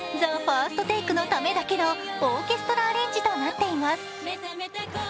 ＴＨＥＦＩＲＳＴＴＡＫＥのためだけのオーケストラアレンジとなっています。